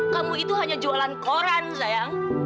kamu itu hanya jualan koran sayang